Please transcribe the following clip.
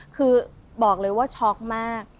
คือบอกเลยว่าช็อกมาก